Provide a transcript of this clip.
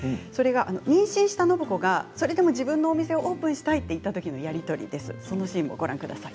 妊娠した暢子が自分の店をオープンしたいと言った時のやり取りです。